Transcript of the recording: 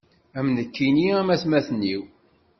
Am nekkini am atmaten-iw.